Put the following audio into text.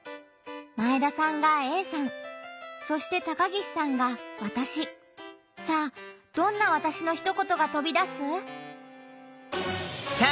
前田さんが「Ａさん」そして高岸さんが「わたし」。さあどんな「わたし」のひと言がとび出す？